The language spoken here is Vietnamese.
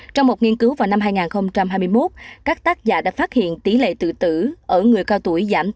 trong một nghiên cứu vào năm hai nghìn hai mươi một các tác giả đã phát hiện tỷ lệ tự tử ở người cao tuổi giảm